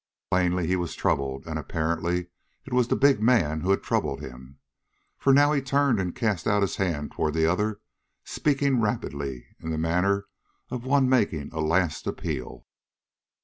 Plainly he was troubled, and apparently it was the big man who had troubled him. For now he turned and cast out his hand toward the other, speaking rapidly, in the manner of one making a last appeal.